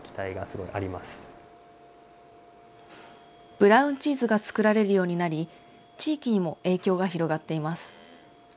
ブラウンチーズが作られるようになり、地域にも影響が広がっています。